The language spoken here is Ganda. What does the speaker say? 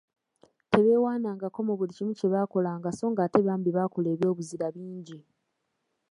Tebeewaanangako mu buli kimu kye baakolanga so ng'ate bambi baakola eby'obuzira bingi.